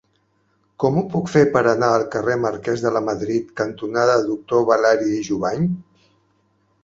Com ho puc fer per anar al carrer Marquès de Lamadrid cantonada Doctor Balari i Jovany?